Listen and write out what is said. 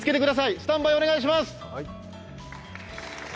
スタンバイお願いします。